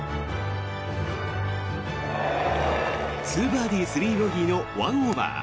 ２バーディー３ボギーの１オーバー。